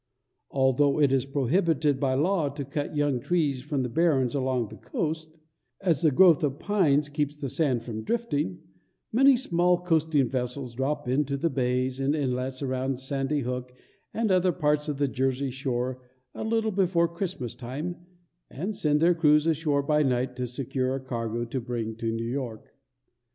Although it is prohibited by law to cut young trees from the barrens along the coast, as the growth of pines keeps the sand from drifting, many small coasting vessels drop into the bays and inlets around Sandy Hook and other parts of the Jersey shore a little before Christmas time, and send their crews ashore by night to secure a cargo to bring to New York.